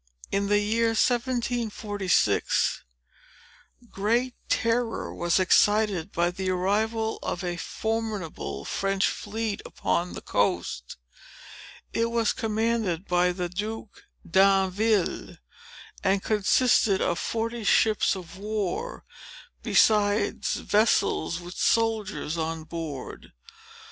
In the year 1746, great terror was excited by the arrival of a formidable French fleet upon the coast. It was commanded by the Duke d'Anville, and consisted of forty ships of war, besides vessels with soldiers on board.